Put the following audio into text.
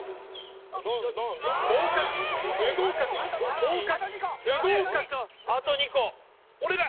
合格不合格合格不合格あと２個お願い！